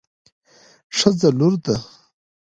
ښځه لور ده